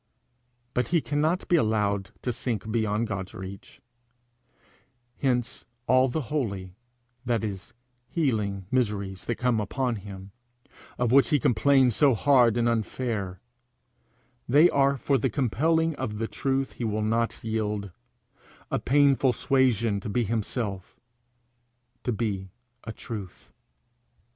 But he cannot be allowed to sink beyond God's reach; hence all the holy that is, healing miseries that come upon him, of which he complains as so hard and unfair: they are for the compelling of the truth he will not yield a painful suasion to be himself, to be a truth.